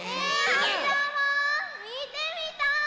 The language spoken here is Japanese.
みてみたい！